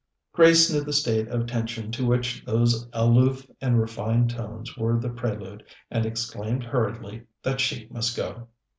Grace knew the state of tension to which those aloof and refined tones were the prelude, and exclaimed hurriedly that she must go.